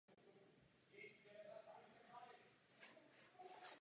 Vezmou se a vydají se na svatební cestu.